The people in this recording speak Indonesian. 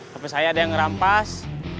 tapi saya ada yang merampas